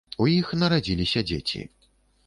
У іх нарадзіліся дзеці.